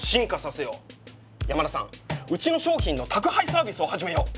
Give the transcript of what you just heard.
山田さんうちの商品の宅配サービスを始めよう！